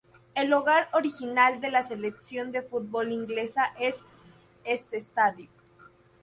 El hogar original de la selección de fútbol inglesa es este estadio.